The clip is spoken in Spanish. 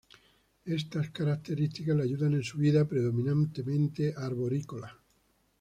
Estas características le ayudan en su vida predominantemente arborícola.